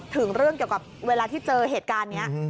ถึงเรื่องเกี่ยวกับเวลาที่เจอเหตุการณ์นี้